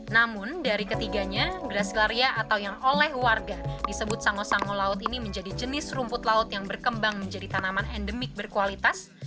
namun dari ketiganya gracilaria atau yang oleh warga disebut sangosango laut ini menjadi jenis rumput laut yang berkembang menjadi tanaman endemik berkualitas